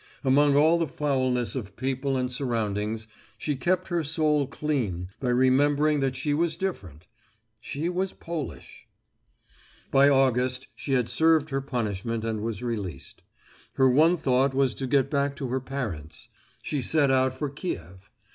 Among all the foulness of people and surroundings, she kept her soul clean by remembering that she was different: she was Polish. By August she had served her punishment and was released. Her one thought was to get back to her parents. She set out for Kiev.